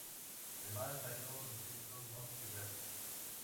Además, hay dos distritos no geográficos.